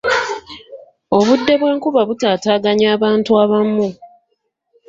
Obudde bw'enkuba butaataaganya abantu abamu.